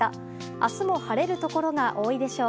明日も晴れるところが多いでしょう。